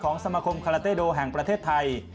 สมาคมคาราเต้โดแห่งประเทศไทย